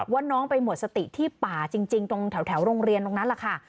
ว่าน้องไปหมดสติที่ป่าจริงตรงแถวโรงเรียนตรงนั้นแหละค่ะ